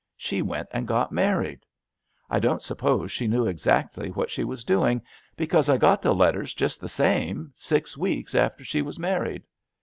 She went and got married. I don't suppose she knew ex actly what she was doing, because I got the letters just the same six weeks after she was married!